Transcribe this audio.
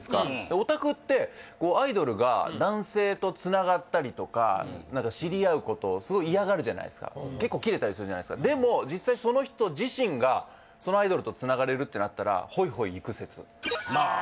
オタクってアイドルが男性とつながったりとか知り合うことをすごい嫌がるじゃないすか結構キレたりするじゃないですかでも実際その人自身がそのアイドルと繋がれるってなったらホイホイ行く説ああ